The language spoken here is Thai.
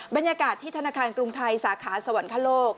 บรรยากาศที่ธนาคารกรุงไทยสาขาสวรรคโลก